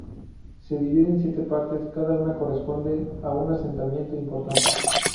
Se divide en siete partes cada una corresponde a un asentamiento importante.